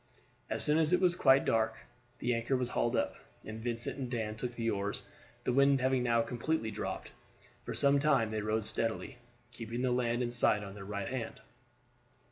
As soon as it was quite dark the anchor was hauled up, and Vincent and Dan took the oars, the wind having now completely dropped. For some time they rowed steadily, keeping the land in sight on their right hand.